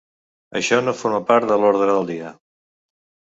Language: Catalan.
Això no forma part de l’ordre del dia.